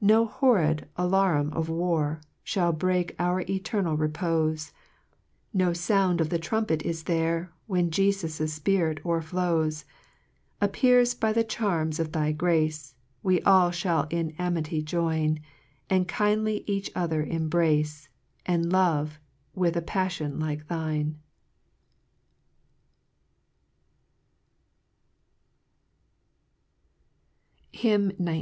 5 No horrid alarum of war, Shall break our eternal repofe v No found of the trumpet is there, Where Jcfus's Spirit o'erflows ; Appeas'd by the charms of thy grace, Wc all fliall in amity join, And kindly each other embrace, And love with a paflion like thine ( 17 ) HYMN XIX.